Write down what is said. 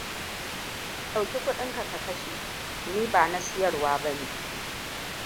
Ɗauki kuɗinka ka kashe! Ni ba na siyarwa ba ne.